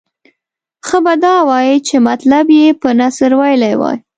ښه به دا وای چې مطلب یې په نثر ویلی وای.